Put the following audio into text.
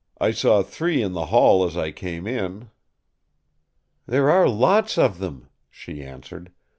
I saw three in the hall as I came in." "There are lots of them," she answered.